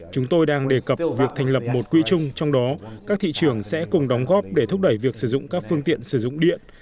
chúng tôi đang đề cập việc thành lập một quỹ chung trong đó các thị trường sẽ cùng đóng góp để thúc đẩy việc sử dụng các phương tiện sử dụng điện